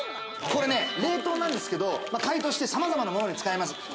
これね、冷凍なんですけれど、解凍して様々なものに使えます。